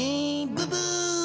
ブブー。